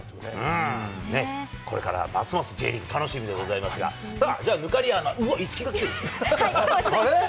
これからますますＪリーグ、楽しみでございますが、さあ、じゃあ、忽滑谷アナ、うわ、きょうちょっと。